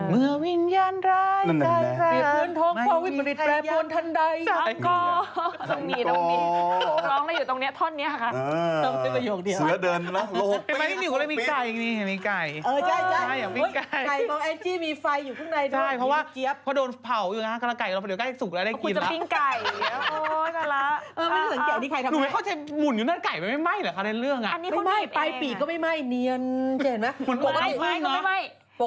มือวิญญาณร้ายตายมันไม่มีทายร้อนทันใดสั้นกอสั้นกอจริง